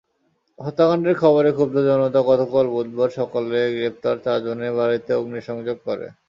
হত্যাকাণ্ডের খবরে ক্ষুব্ধ জনতা গতকাল বুধবার সকালে গ্রেপ্তার চারজনের বাড়িতে অগ্নিসংযোগ করে।